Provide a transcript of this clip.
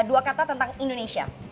dua kata tentang indonesia